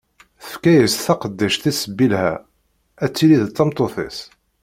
Tefka-as taqeddact-is Bilha, ad tili d tameṭṭut-is.